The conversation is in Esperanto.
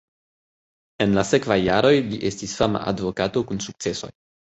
En la sekvaj jaroj li estis fama advokato kun sukcesoj.